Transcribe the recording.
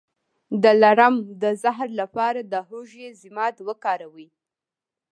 د لړم د زهر لپاره د هوږې ضماد وکاروئ